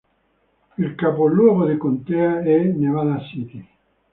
Il capoluogo di contea è Nevada City.